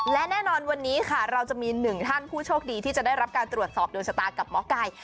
และแน่นอนวันนี้ค่ะเราจะมีหนึ่งท่านผู้โชคดีที่จะได้รับการตรวจสอบโดนชะตากับหมอไก่